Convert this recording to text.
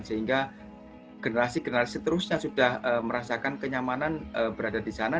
sehingga generasi generasi seterusnya sudah merasakan kenyamanan berada di sana